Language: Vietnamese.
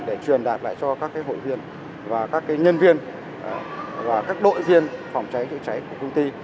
để truyền đạt lại cho các hội viên và các nhân viên và các đội viên phòng cháy chữa cháy của công ty